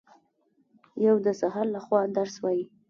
یو د سحر لخوا درس وايي